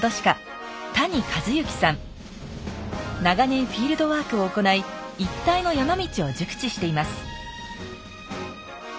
長年フィールドワークを行い一帯の山道を熟知しています